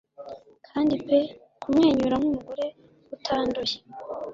Kandi pe kumwenyura nkumugore utanduye